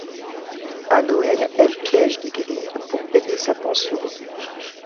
À Noël, elle piège des grives pour payer sa pension.